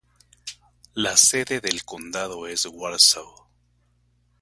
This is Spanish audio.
La sede de condado es Warsaw.